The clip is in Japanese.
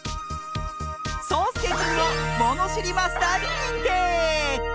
そうすけくんをものしりマスターににんてい！